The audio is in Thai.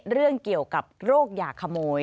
เรื่องเกี่ยวกับโรคอย่าขโมย